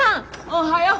おはよう。